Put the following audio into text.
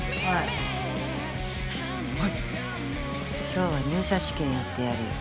今日は入社試験やってやるよ。